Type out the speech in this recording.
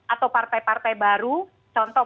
atau partai partai baru contoh